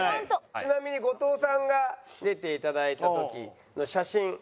ちなみに後藤さんが出て頂いた時の写真。